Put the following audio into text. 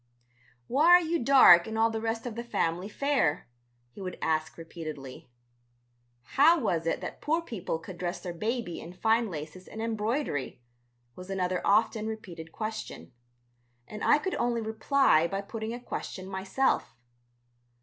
"Why are you dark and all the rest of the family fair?" he would ask repeatedly. "How was it that poor people could dress their baby in fine laces and embroidery?" was another often repeated question. And I could only reply by putting a question myself.